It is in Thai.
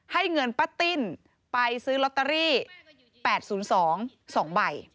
ให้เงินป้าติ้นไปซื้อลอตเตอรี่๘๐๒๒ใบ